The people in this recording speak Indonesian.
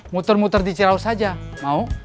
muter muter di cirau saja mau